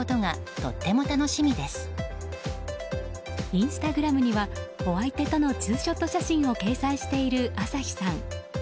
インスタグラムにはお相手とのツーショット写真を掲載している朝日さん。